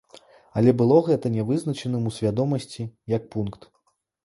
Але было гэта нявызначаным у свядомасці, як пункт.